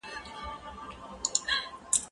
هغه څوک چي د کتابتون کتابونه لوستل کوي پوهه زياتوي،